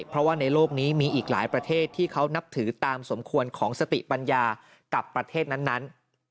เพราะว่าในโลกนี้มีอีกหลายประเทศที่เขานับถือตามสมควรของสติปัญญากับประเทศนั้น